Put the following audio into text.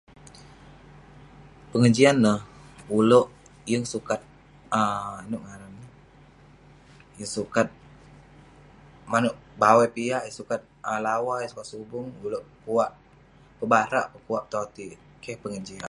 pengejian neh, ulouk yeng sukat um inouk ngaran neh, yeng sukat manouk bawai piak, yeng sukat lawa, yeng sukat subung, ulouk pekuwak pebarak, petotik..keh pengejian neh